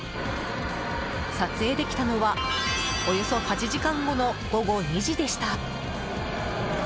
撮影できたのはおよそ８時間後の午後２時でした。